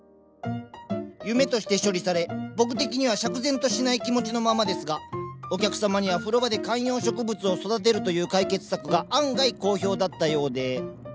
夢として処理され僕的には釈然としない気持ちのままですがお客様には風呂場で観葉植物を育てるという解決策が案外好評だったようで